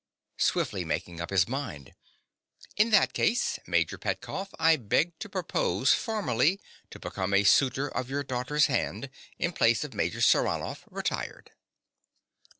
(Swiftly making up his mind.) In that case, Major Petkoff, I beg to propose formally to become a suitor for your daughter's hand, in place of Major Saranoff retired.